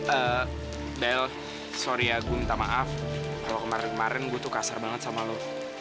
ehh bel sorry ya gua minta maaf kalo kemarin kemarin gua tuh kasar banget sama lo